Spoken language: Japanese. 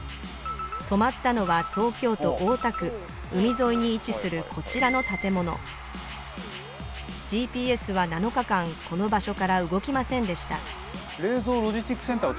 止まったのは東京都大田区海沿いに位置するこちらの建物ＧＰＳは７日間この場所から動きませんでした